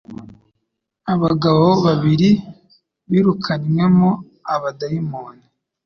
Abagabo babiri birukanywemo abadayimoni,